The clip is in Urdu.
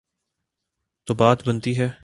تو بات بنتی ہے۔